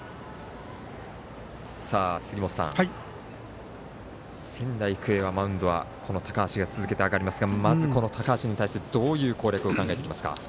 杉本さん、仙台育英のマウンドはこの高橋が続けて上がりますがまず、高橋に対してどういう攻略を考えてきますか？